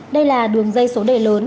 đây là đường dây số đề lớn